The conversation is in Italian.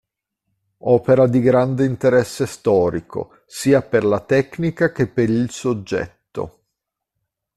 Opera di grande interesse storico, sia per la tecnica che per il soggetto.